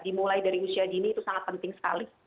dimulai dari usia dini itu sangat penting sekali